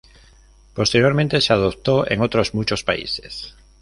Posteriormente se adoptó en otros muchos países.